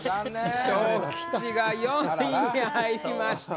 昇吉が４位に入りました。